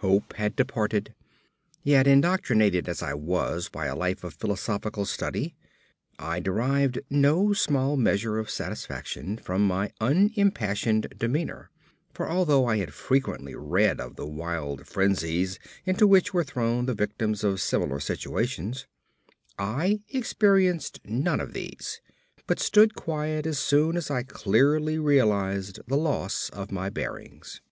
Hope had departed. Yet, indoctrinated as I was by a life of philosophical study, I derived no small measure of satisfaction from my unimpassioned demeanour; for although I had frequently read of the wild frenzies into which were thrown the victims of similar situations, I experienced none of these, but stood quiet as soon as I clearly realised the loss of my bearings.